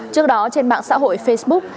trước đó trên mạng xã hội facebook